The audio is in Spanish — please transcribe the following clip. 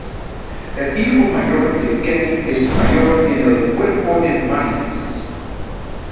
El hijo mayor de Kelly es mayor en el Cuerpo de Marines.